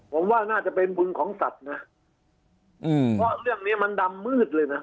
ผมว่าน่าจะเป็นบุญของสัตว์นะอืมเพราะเรื่องเนี้ยมันดำมืดเลยนะ